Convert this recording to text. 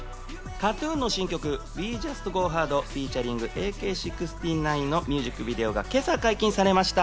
ＫＡＴ−ＴＵＮの新曲『ＷｅＪｕｓｔＧｏＨａｒｄｆｅａｔ．ＡＫ−６９』のミュージックビデオが今朝解禁されました。